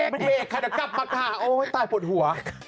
เบรกคันศักดิ์ประทะโอ้ยตายผสดหัว